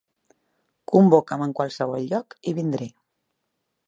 Convoca'm en qualsevol lloc i vindré.